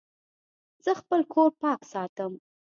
زه خپل کور پاک ساتم.